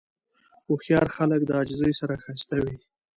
هوښیار خلک د عاجزۍ سره ښایسته وي.